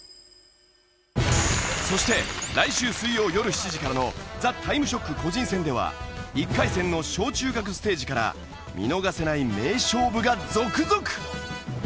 そして来週水曜よる７時からの『ザ・タイムショック』個人戦では１回戦の小中学ステージから見逃せない名勝負が続々！